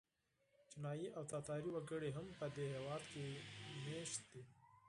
چینایي او تاتاري وګړي هم په دې هېواد کې مېشت دي.